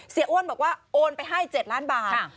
อ้วนบอกว่าโอนไปให้๗ล้านบาท